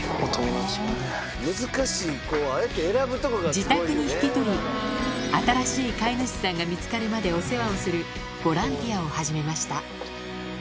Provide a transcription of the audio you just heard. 自宅に引き取り、新しい飼い主さんが見つかるまでお世話をする、ボランティアを始めました。